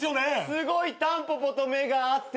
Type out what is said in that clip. すごいタンポポと目が合ってる。